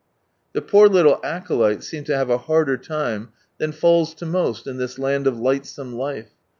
" The poor little acolytes seem to have a harder time than falls to most in this land of lightsome life.